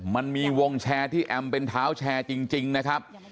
มันมีวงแชร์ที่แอมเป็นเท้าแชร์จริงนะครับ